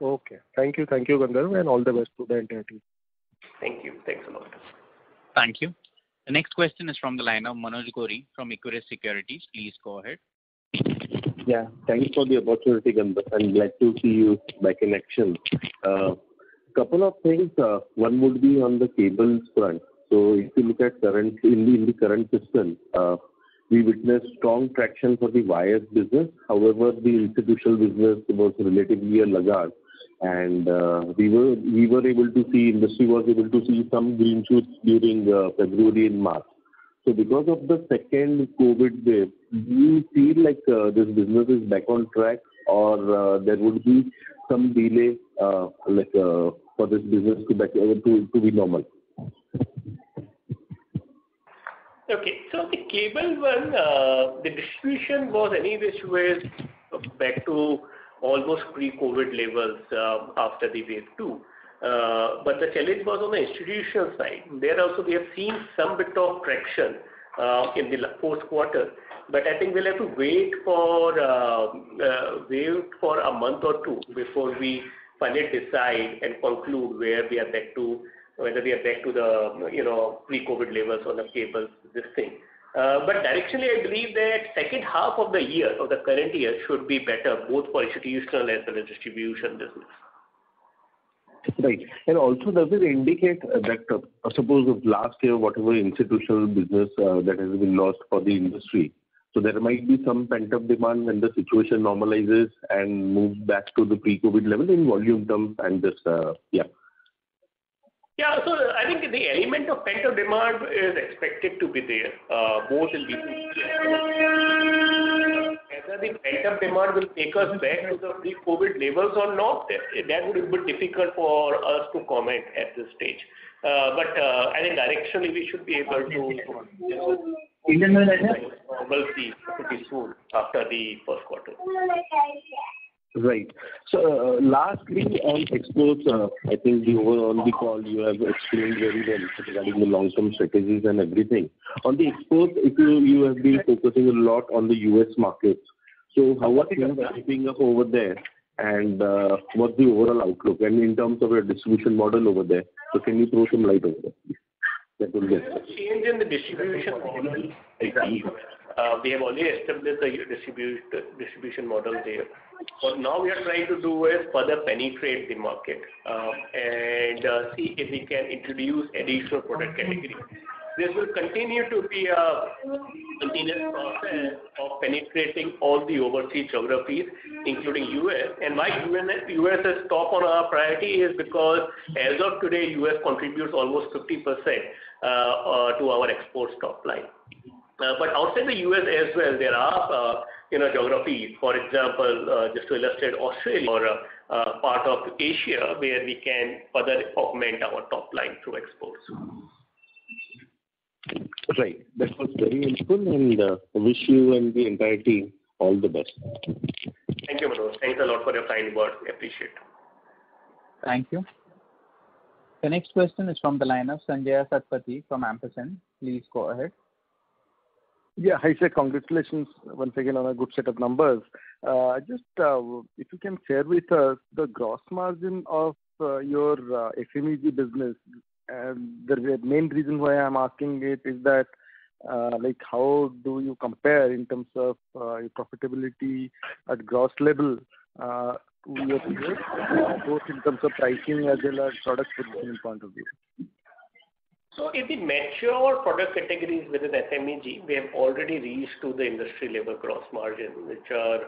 Okay. Thank you. Thank you, Gandharv. All the best to the entity. Thank you. Thanks a lot. Thank you. The next question is from the line of Manoj Gori from Equirus Securities. Please go ahead. Yeah, thanks for the opportunity, Gandharv. I'm glad to see you back in action. A couple of things. One would be on the cable front. If you look at in the current system, we witnessed strong traction for the wires business. However, the institutional business was relatively lagging. The industry was able to see some green shoots during February and March. Because of the second COVID-19 wave, do you feel like this business is back on track or there will be some delay for this business to be normal? The cable one, the distribution one anyways, was back to almost pre-COVID levels after the wave two. The challenge was on the institutional side. There also we have seen some bit of traction in the fourth quarter; I think we'll have to wait for a month or two before we finally decide and conclude whether we are back to the pre-COVID levels on the cable this thing. Directionally, I believe that second half of the year, of the current year should be better, both for institutional as well as distribution businesses. Right. Also, does it indicate that, suppose of last year, whatever institutional business that has been lost for the industry? There might be some pent-up demand when the situation normalizes and move back to the pre-COVID level in volume terms. I think the element of pent-up demand is expected to be there, both in distribution as well as cable. Whether the pent-up demand will take us back to the pre-COVID levels or not, that would be difficult for us to comment at this stage. I think directionally, we should be able to move towards normalcy pretty soon after the first quarter. Right. Lastly, on exports, I think overall on the call, you have explained very well, especially about the long-term strategies and everything. On the exports, you have been focusing a lot on the U.S. market. How are things shaping up over there, and what's the overall outlook? In terms of your distribution model over there. Can you throw some light over, please? That will be helpful. There is no change in the distribution model as such. We have only established a distribution model there. What now we are trying to do is further penetrate the market and see if we can introduce additional product categories. This will continue to be a continuous process of penetrating all the overseas geographies, including U.S. Why the U.S. is top on our priority is because, as of today, the U.S. contributes almost 50% to our export top line. Outside the U.S. as well, there are geographies, for example, just to list Australia, part of Asia, where we can further augment our top line through exports. Right. That was very useful, and I wish you and the entire team all the best. Thank you, bro. Thanks a lot for your kind words. Appreciate it Thank you. The next question is from the line of Sanjay Satpathy from Ampersand. Please go ahead. Yeah. Hi, sir. Congratulations once again on a good set of numbers. Just if you can share with us the gross margin of your FMEG business. The main reason why I'm asking it is that, how do you compare in terms of your profitability at gross level to your peers, both in terms of pricing as well as product mix point of view? In the mature product categories within FMEG, we have already reached to the industry-level gross margin, which are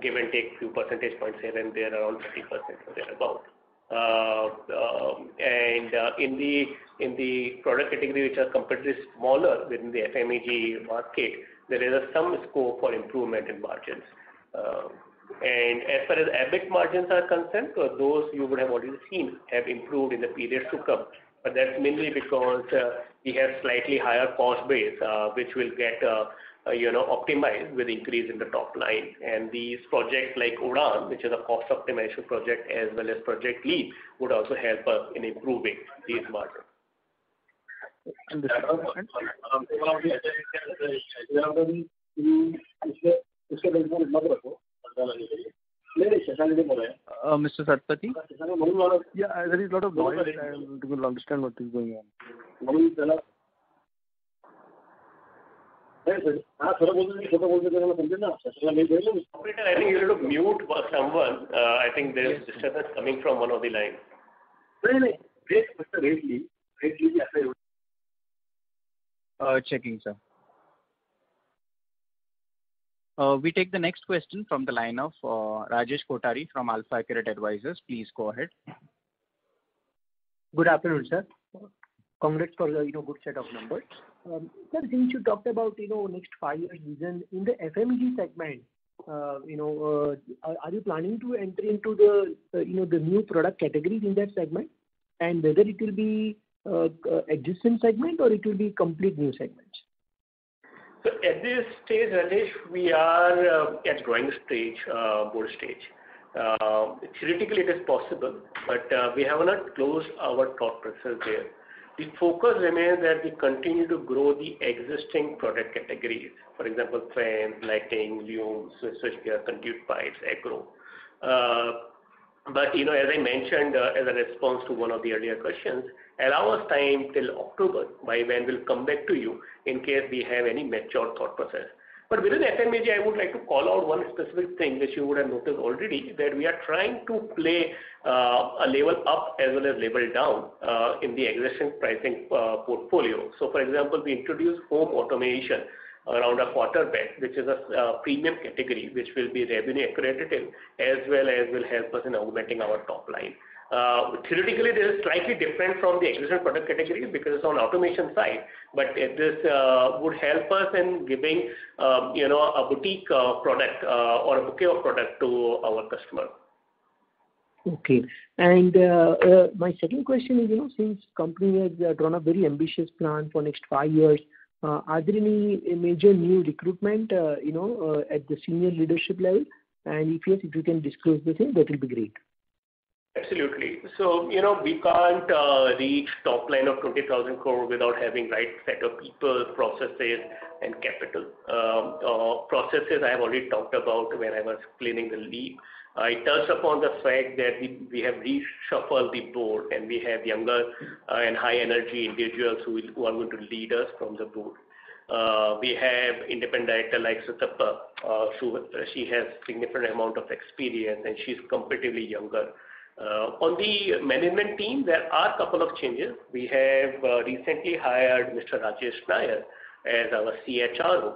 give or take few percentage points here and there, around 50% or thereabouts. In the product categories which are comparatively smaller within the FMEG market, there is some scope for improvement in margins. As far as EBIT margins are concerned, those you would have already seen have improved in the period to come. That's mainly because we have a slightly higher cost base, which will get optimized with increase in the top line. These projects, like Project Udaan, which is a cost optimization project, as well as Project LEAP, would also help us in improving these margins. Understood. Thank you. Mr. Satpathy? Yeah, I already got it, but I want to understand what is going on. I think you're a little mute for someone. I think there's a disturbance coming from one of the lines. Checking, sir. We take the next question from the line of Rajesh Kothari from AlfAccurate Advisors. Please go ahead. Good afternoon, sir. Congrats for the good set of numbers. Sir, since you talked about next five-year vision. In the FMEG segment, are you planning to enter into the new product categories in that segment? Whether it will be an existing segment, or it will be complete new segment? At this stage, Rajesh, we are at growing stage, build stage. Theoretically, it is possible, but we have not closed our thought process there. The focus remains that we continue to grow the existing product categories. For example, fans, lighting, luminaires, switchgear, conduit pipes, agro. As I mentioned in the response to one of the earlier questions, allow us time till October, by when we'll come back to you in case we have any mature thought process. Within FMEG, I would like to call out one specific thing that you would have noticed already: that we are trying to play a level up as well as level down in the aggregation pricing portfolio. For example, we introduced home automation around a quarter back, which is a premium category, which will be revenue accretive as well as will help us in augmenting our top line. Theoretically, it is slightly different from the existing product category because it's on automation side, but this would help us in giving a boutique product or a premium product to our customer. Okay. My second question is, since the company has drawn a very ambitious plan for next five years, are there any major new recruitments at the senior leadership level? If yes, if you can disclose the same, that would be great. Absolutely. We can't reach top line of 20,000 crore without having right set of people, processes, and capital. Processes I've already talked about when I was explaining the LEAP. I touched upon the fact that we have reshuffled the board, and we have younger and high-energy individuals who are going to lead us from the board. We have independent directors like Sutapa Banerjee. She has a significant amount of experience, and she's comparatively younger. On the management team, there are a couple of changes. We have recently hired Mr. Rajesh Nair as our CHRO.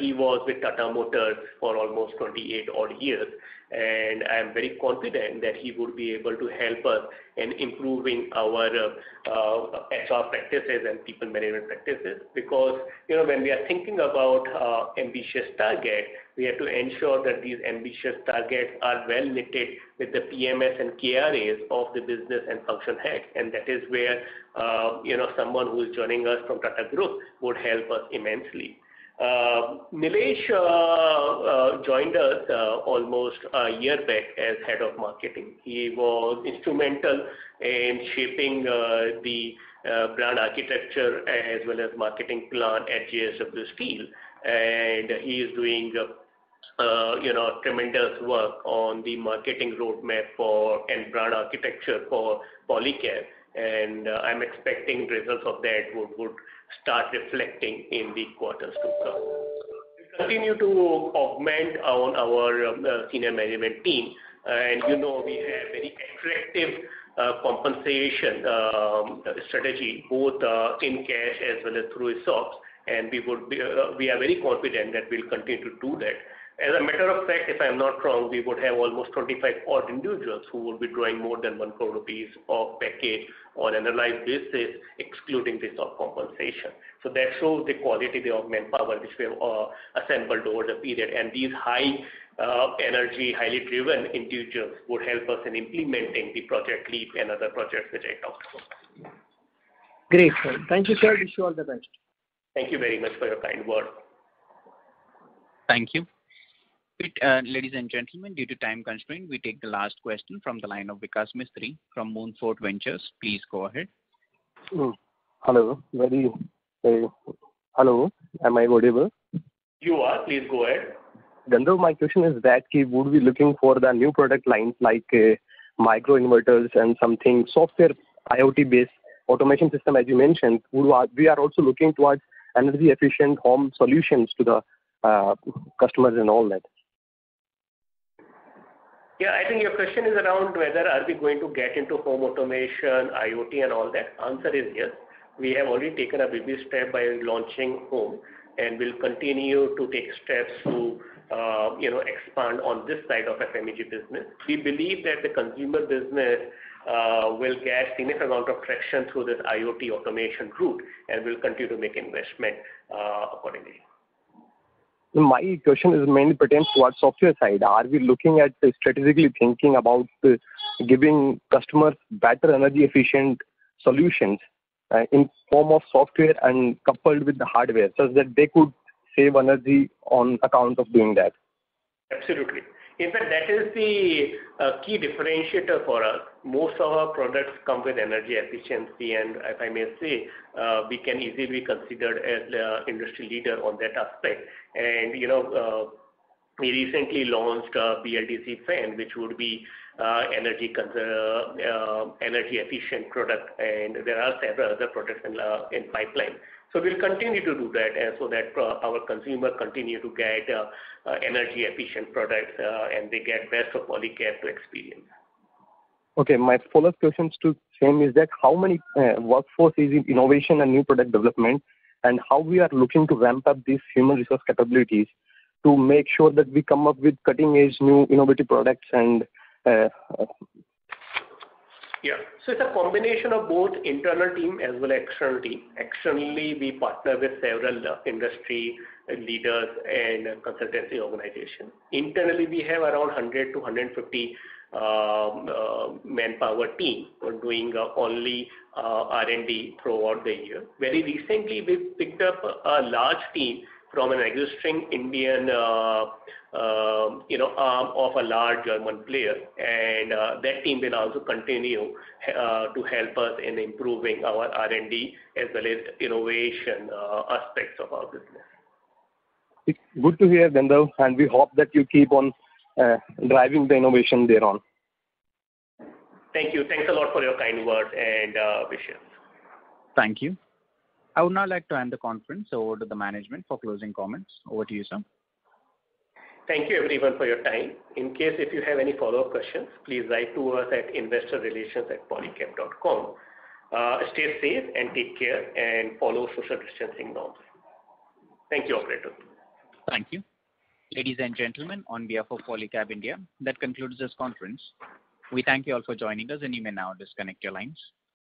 He was with Tata Motors for almost 28 odd years, and I'm very confident that he will be able to help us in improving our HR practices and people management practices. When we are thinking about ambitious targets, we have to ensure that these ambitious targets are well linked with the PMS and KRAs of the business and function head, and that is where someone who is joining us from Tata Group would help us immensely. Nilesh joined us almost a year back as head of marketing. He was instrumental in shaping the brand architecture as well as the marketing plan at JSW Steel. He is doing tremendous work on the marketing roadmap and brand architecture for Polycab. I'm expecting results of that would start reflecting in the quarters to come. We continue to augment our senior management team, and we have a very attractive compensation strategy, both in cash as well as through stocks, and we are very confident that we'll continue to do that. As a matter of fact, if I'm not wrong, we would have almost 25 odd individuals who would be drawing more than 1 crore rupees of package on an annual basis, excluding the stock compensation. That shows the quality of manpower which we have assembled over the period. These high energy, highly driven individuals would help us in implementing the Project LEAP and other projects which I talked about. Great, sir. Thank you, sir. Wish you all the best. Thank you very much for your kind word. Thank you. Ladies and gentlemen, due to time constraints, we take the last question from the line of Vikas Mistry from Moonshot Ventures. Please go ahead. Hello. Hello, am I audible? You are. Please go ahead. Gandharv Tongia, my question is that we will be looking for the new product line, like microinverters and something software IoT-based automation system, as you mentioned. We are also looking towards energy-efficient home solutions to the customers and all that. Yeah, I think your question is around whether are we going to get into home automation, IoT, and all that. The answer is yes. We have already taken a big step by launching home, and we'll continue to take steps to expand on this side of FMEG business. We believe that the consumer business will get a significant amount of traction through this IoT automation route and will continue to make investments accordingly. My question is mainly pertains towards software side. Are we looking at strategically thinking about giving customers better energy-efficient solutions in form of software and coupled with the hardware so that they could save energy on account of doing that? Absolutely. In fact, that is the key differentiator for us. Most of our products come with energy efficiency, and if I may say, we can easily be considered as the industry leader on that aspect. We recently launched a BLDC fan, which would be energy efficient product, and there are several other products in pipeline. We'll continue to do that, and so that our consumers continue to get energy-efficient products, and they get best of Polycab experience. Okay. My follow-up question is to same is that how many workforce is in innovation and new product development, and how we are looking to ramp up these human resource capabilities to make sure that we come up with cutting-edge new innovative products? Yeah. It's a combination of both internal team as well as external team. Externally, we partner with several industry leaders and consultancy organizations. Internally, we have around 100 to 150 manpower team for doing only R&D throughout the year. Very recently, we've picked up a large team from a registering Indian arm of a large German player. That team will also continue to help us in improving our R&D as well as innovation aspects of our business. It's good to hear, Gandharv, and we hope that you keep on driving the innovation thereon. Thank you. Thanks a lot for your kind words and wishes. Thank you. I would now like to hand the conference over to the management for closing comments. Over to you, sir. Thank you, everyone, for your time. In case you have any follow-up questions, please write to us at investorrelations@polycab.com. Stay safe and take care, and follow social distancing norms. Thank you, operator. Thank you. Ladies and gentlemen, on behalf of Polycab India, that concludes this conference. We thank you all for joining us, and you may now disconnect your lines.